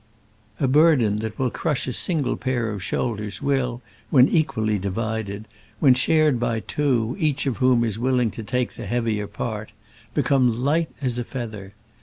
A burden that will crush a single pair of shoulders will, when equally divided when shared by two, each of whom is willing to take the heavier part become light as a feather.